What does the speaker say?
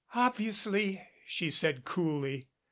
"Obviously," she said coolly.